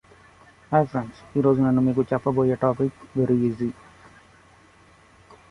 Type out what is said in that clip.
Seven of the tombs feature gabled ceilings and extremely fine stonework.